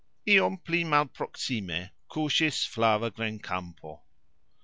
... Iom pli malproksime kusxis flava grenkampo.